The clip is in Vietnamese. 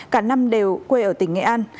cả năm đều quê ở tỉnh nghệ an